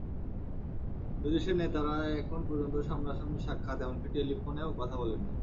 দুই দেশের নেতারা এখন পর্যন্ত সামনাসামনি সাক্ষাৎ, এমনকি টেলিফোনেও কথা বলেননি।